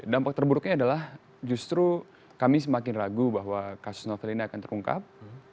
dampak terburuknya adalah justru kami semakin ragu bahwa kasus novel ini akan terungkap